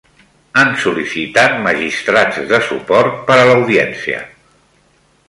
Han sol·licitat magistrats de suport per a l'Audiència.